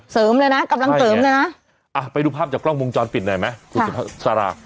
เสริมเลยน่ะกำลังเติมเลยน่ะอ่ะไปดูภาพจากกล้องมุมจรปิดหน่อยไหมคุณสาหร่า